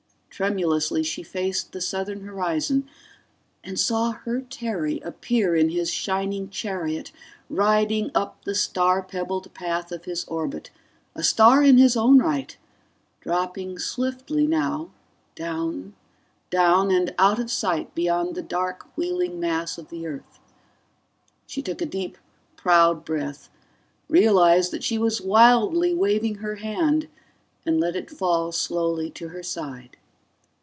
Tremulously she faced the southern horizon ... and saw her Terry appear in his shining chariot, riding up the star pebbled path of his orbit, a star in his own right, dropping swiftly now, down, down, and out of sight beyond the dark wheeling mass of the Earth ... She took a deep, proud breath, realized that she was wildly waving her hand and let it fall slowly to her side.